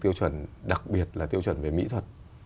tiêu chuẩn đặc biệt là tiêu chuẩn về mỹ thuật